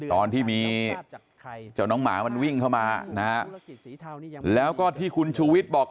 ตอนที่มีเจ้าน้องหมามันวิ่งเข้ามานะฮะแล้วก็ที่คุณชูวิทย์บอก